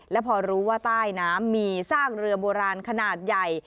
และพอรู้ว่าใต้น้ำมีซากเรือโบราณขนาดใหญ่